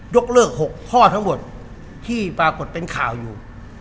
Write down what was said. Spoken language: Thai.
ยกเลิก๖ข้อทั้งหมดที่ปรากฏเป็นข่าวอยู่